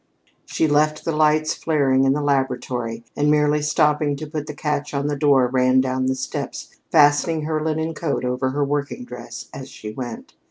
She left the lights flaring in the laboratory, and, merely stopping to put the catch on the door, ran down the steps, fastening her linen coat over her working dress as she went.